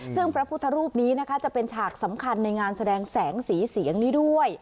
ซึ่งพระพุทธรูปนี้นะคะจะเป็นฉากสำคัญในงานแสดงแสงสีเสียงนี้ด้วย